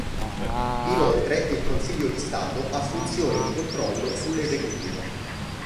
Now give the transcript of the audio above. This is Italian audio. Inoltre il Consiglio di Stato ha funzioni di controllo sull'esecutivo.